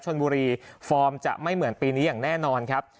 ชนบุรีฟอร์มจะไม่เหมือนปีนี้อย่างแน่นอนครับ